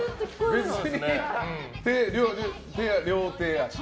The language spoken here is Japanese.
別に両手、両足。